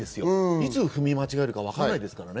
いつ踏み間違えるかわからないですからね。